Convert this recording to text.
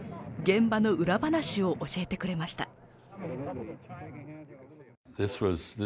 現場の裏話を教えてくれました。